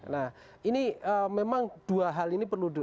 nah ini memang dua hal ini perlu